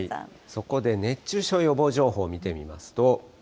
そこで熱中症予防情報を見てみますと。